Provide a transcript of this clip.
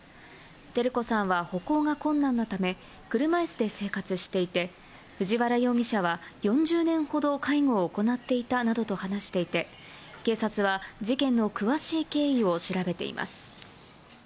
照子さんは歩行が困難なため、車いすで生活していて、藤原容疑者は４０年ほど介護を行っていたなどと話していて、警察は、事件の詳しい経緯を調べています。